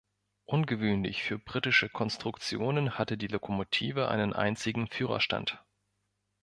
Ungewöhnlich für britische Konstruktionen hatte die Lokomotive einen einzigen Führerstand.